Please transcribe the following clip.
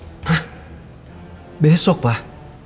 hah besok pak